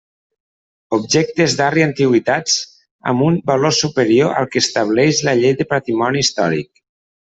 Objectes d'art i antiguitats amb un valor superior al que estableix la Llei del patrimoni històric.